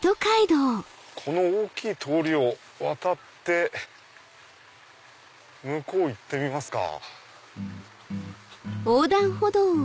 この大きい通りを渡って向こう行ってみますか。